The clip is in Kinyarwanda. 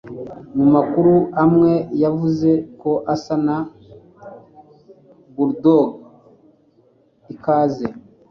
Umuamakuru umwe yavuze ko asa na bulldog ikaze.